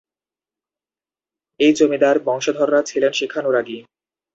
এই জমিদার বংশধররা ছিলেন শিক্ষানুরাগী।